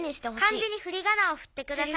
「漢字にふりがなをふってください」。